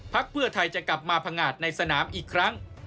เพื่อไทยจะกลับมาพังงาดในสนามอีกครั้ง